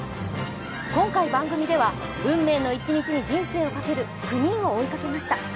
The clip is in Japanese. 今回番組では運命の一日に人生をかける９人を追いかけました。